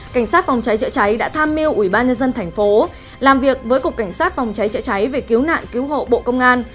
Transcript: cảnh sát phòng cháy chữa cháy đã tham mưu ủy ban nhân dân thành phố làm việc với cục cảnh sát phòng cháy chữa cháy về cứu nạn cứu hộ bộ công an